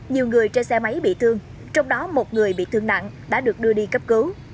nhiều người trên xe máy bị thương trong đó một người bị thương nặng đã được đưa đi cấp cứu